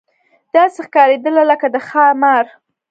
داسې ښکارېدله لکه د ښامار.